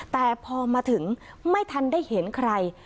แต่พอมาถึงไม่ทันได้เห็นใคร